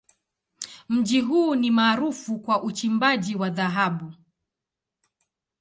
Mji huu ni maarufu kwa uchimbaji wa dhahabu.